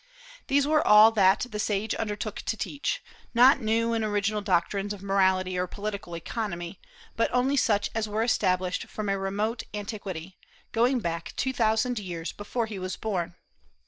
These were all that the sage undertook to teach, not new and original doctrines of morality or political economy, but only such as were established from a remote antiquity, going back two thousand years before he was born.